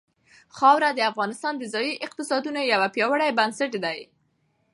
خاوره د افغانستان د ځایي اقتصادونو یو پیاوړی بنسټ دی.